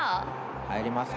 入りますか。